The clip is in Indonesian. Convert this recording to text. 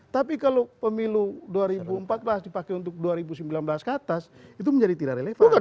tapi kalau pemilu dua ribu empat belas dipakai untuk dua ribu sembilan belas ke atas itu menjadi tidak relevan